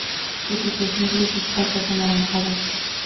Su pico es negro y sus patas anaranjadas.